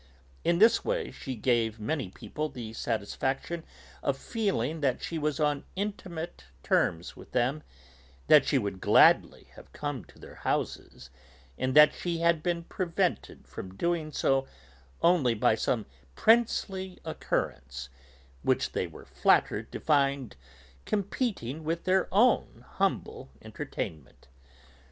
In this way she gave many people the satisfaction of feeling that she was on intimate terms with them, that she would gladly have come to their houses, and that she had been prevented from doing so only by some princely occurrence which they were flattered to find competing with their own humble entertainment.